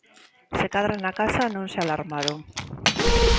Se cadra na casa non se alarmaron.